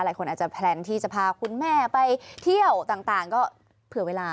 หลายคนอาจจะแพลนที่จะพาคุณแม่ไปเที่ยวต่างก็เผื่อเวลา